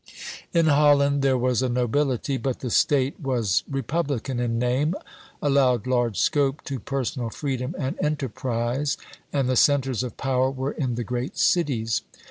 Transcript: In Holland there was a nobility; but the State was republican in name, allowed large scope to personal freedom and enterprise, and the centres of power were in the great cities.